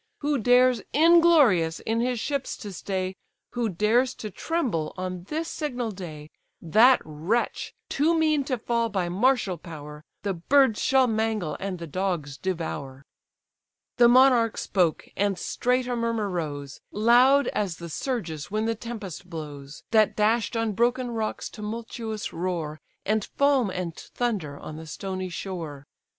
Who dares, inglorious, in his ships to stay, Who dares to tremble on this signal day; That wretch, too mean to fall by martial power, The birds shall mangle, and the dogs devour." The monarch spoke; and straight a murmur rose, Loud as the surges when the tempest blows, That dash'd on broken rocks tumultuous roar, And foam and thunder on the stony shore.